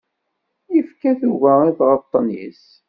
Yefka tuga i tɣeṭṭen-is.